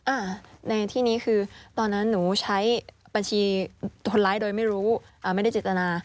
อ่าในที่นี้คือตอนนั้นหนูใช้บัญชีคนร้ายโดยไม่รู้อ่าไม่ได้เจตนา